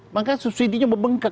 maka subsidinya membengkak